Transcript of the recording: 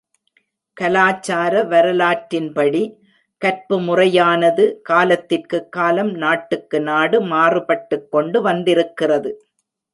கலாசார வரலாற்றின்படி, கற்பு முறையானது, காலத்திற்குக் காலம் நாட்டுக்கு நாடு மாறுபட்டுக்கொண்டு வந்திருக்கிறது.